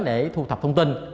để thu thập thông tin